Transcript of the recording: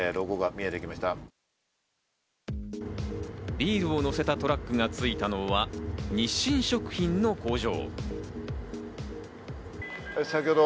ビールを載せたトラックが着いたのは日清食品の工場。